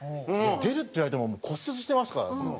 「出るって言われても骨折してますから」っつって。